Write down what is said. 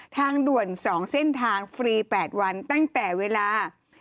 ทางด่วน๒เส้นทางฟรี๘วันตั้งแต่เวลา